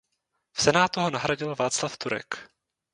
V senátu ho nahradil Václav Turek.